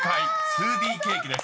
「２Ｄケーキ」です］